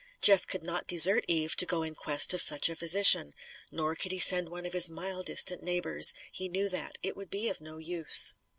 Jeff could not desert Eve to go in quest of such a physician. Nor could he send one of his mile distant neighbours. He knew that. It would be of no use.